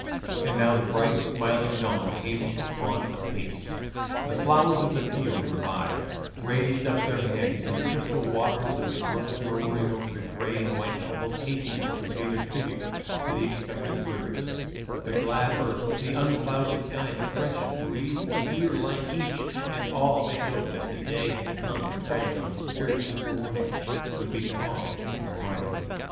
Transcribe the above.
And now bright smiling dawn came on apace; the flowers of the field, revived, raised up their heads, and the crystal waters of the brooks, murmuring over the grey and white pebbles, hastened to pay their tribute to the expectant rivers; the glad earth, the unclouded sky, the fresh breeze, the clear light, each and all showed that the day that came treading on the skirts of morning would be calm and bright.